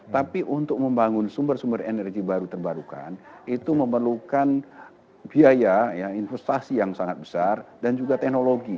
tapi untuk membangun sumber sumber energi baru terbarukan itu memerlukan biaya investasi yang sangat besar dan juga teknologi